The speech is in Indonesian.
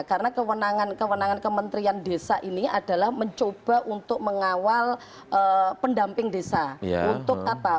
karena kewenangan kementerian desa ini adalah mencoba untuk mengawal pendamping desa